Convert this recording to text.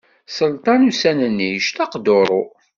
Sselṭan ussan-nni yectaq duṛu.